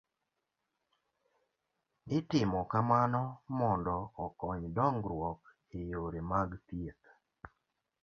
Itimo kamano mondo okony dongruok e yore mag thieth